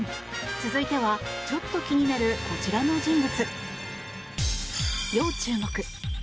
続いてはちょっと気になるこちらの人物。